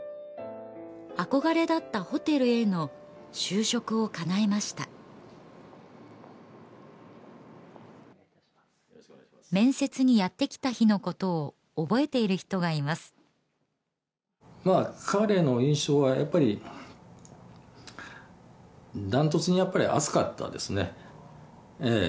憧れだったホテルへの就職をかなえました面接にやってきた日のことを覚えている人がいます彼の印象はやっぱりダントツにやっぱり熱かったですねえ